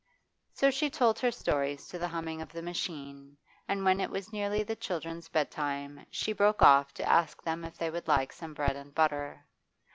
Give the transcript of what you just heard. So she told her stories to the humming of the machine, and when it was nearly the children's bedtime she broke off to ask them if they would like some bread and butter.